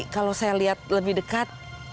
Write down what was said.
kalau saya lihat lebih dekat